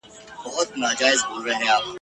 پښتنو له کلونو راهیسي مقاومت کاوه.